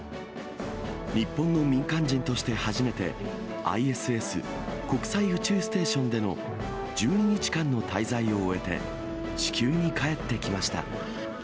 日本の民間人として初めて、ＩＳＳ・国際宇宙ステーションでの１２日間の滞在を終えて、地球に帰ってきました。